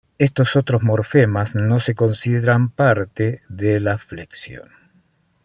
Estos otros morfemas no se consideran parte de la flexión.